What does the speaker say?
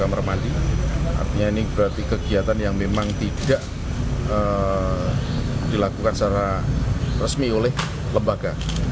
artinya ini berarti kegiatan yang memang tidak dilakukan secara resmi oleh lembaga